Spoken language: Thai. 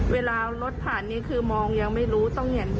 เพราะตรงนี้ก็มีโรงเรียนด้วย